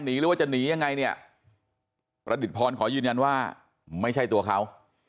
หรือว่าจะหนียังไงเนี่ยประดิษฐพรขอยืนยันว่าไม่ใช่ตัวเขา